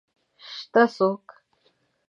شته څوک؟